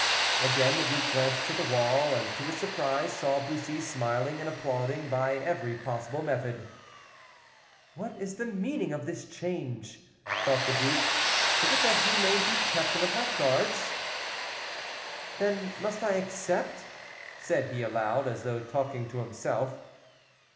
Again the duke glanced to the wall, and, to his surprise, saw Bussy smiling and applauding by every possible method. "What is the meaning of this change?" thought the duke; "is it that he may be captain of my guards? Then must I accept?" said he aloud, as though talking to himself.